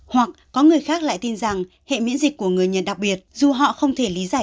hoặc có người khác lại tin rằng hệ miễn dịch của người nghiện đặc biệt dù họ không thể lý giải